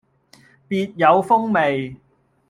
別有風味